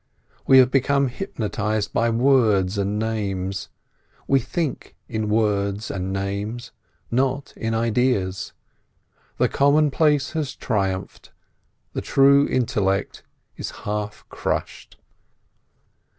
We have become hypnotised by words and names. We think in words and names, not in ideas; the commonplace has triumphed, the true intellect is half crushed.